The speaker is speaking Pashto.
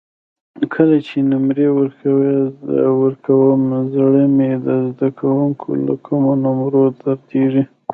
کله چې نمرې ورکوم زړه مې د زده کوونکو له کمو نمرو دردېږي.